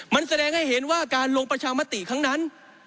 มันแสดงให้เห็นว่าการลงประชามติครั้งนั้น